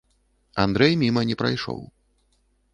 Андрэй міма не прайшоў.